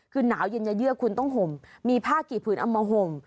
คือหนาวเย็นจะเยื่อคุณต้องห่มมีผ้ากี่ผืนเอามาห่ม